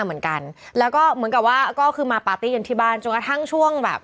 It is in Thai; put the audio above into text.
เหมือนกันแล้วก็เหมือนกับว่าก็คือมาปาร์ตี้กันที่บ้านจนกระทั่งช่วงแบบ